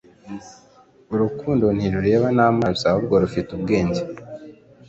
Urukundo ntirureba n'amaso, ahubwo rufite ubwenge.”